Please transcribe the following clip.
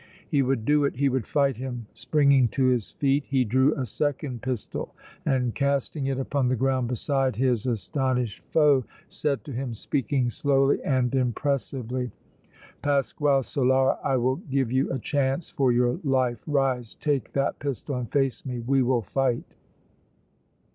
He would do it, he would fight him! Springing to his feet, he drew a second pistol, and, casting it upon the ground beside his astonished foe, said to him, speaking slowly and impressively: "Pasquale Solara, I will give you a chance for your life! Rise, take that pistol and face me! We will fight!"